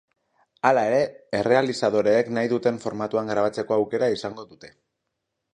Hala ere, errealizadoreek nahi duten formatuan grabatzeko aukera izango dute.